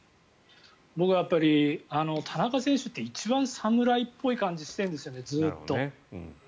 僕は田中選手って一番侍っぽい感じがしているんですよねずっと。